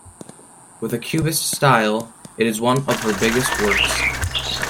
With a cubist style, it is one of her biggest works.